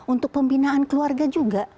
untuk pembinaan keluarga juga